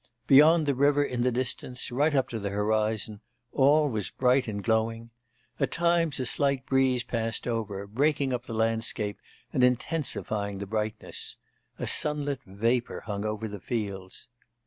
Beyond the river in the distance, right up to the horizon, all was bright and glowing. At times a slight breeze passed over, breaking up the landscape and intensifying the brightness; a sunlit vapour hung over the fields.